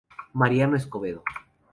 Mariano Escobedo.